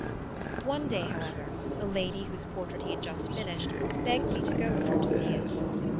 One day, however, a lady whose portrait he had just finished begged me to go with her to see it.